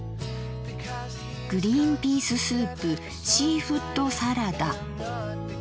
「グリンピーススープシーフッドサラダ」。